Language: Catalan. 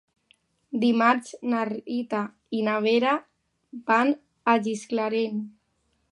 Dimarts na Rita i na Vera van a Gisclareny.